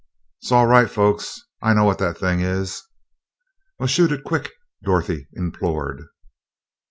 "'Sall right folks I know what that thing is." "Well, shoot it, quick!" Dorothy implored.